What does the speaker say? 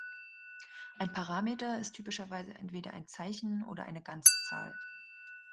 Ein Parameter ist typischerweise entweder ein Zeichen oder eine Ganzzahl.